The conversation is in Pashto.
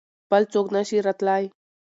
بل څوک نه شي راتلای.